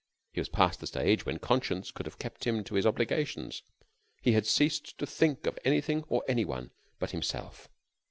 He was past the stage when conscience could have kept him to his obligations. He had ceased to think of anything or any one but himself.